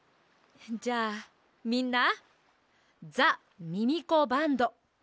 じゃあみんなザ・ミミコバンドやるよ！